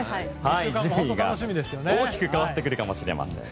順位が大きく変わってくるかもしれません。